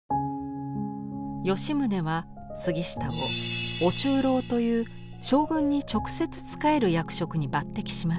吉宗は杉下を「御中臈」という将軍に直接仕える役職に抜てきします。